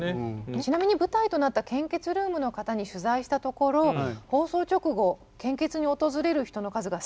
ちなみに舞台となった献血ルームの方に取材したところ放送直後献血に訪れる人の数が３割増えたそうです。